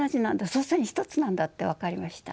祖先一つなんだって分かりました。